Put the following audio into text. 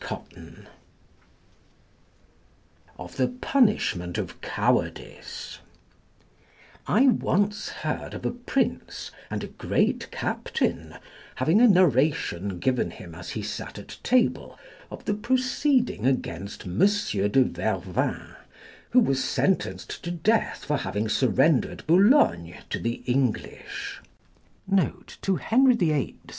CHAPTER XV OF THE PUNISHMENT OF COWARDICE I once heard of a prince, and a great captain, having a narration given him as he sat at table of the proceeding against Monsieur de Vervins, who was sentenced to death for having surrendered Boulogne to the English, [To Henry VIII.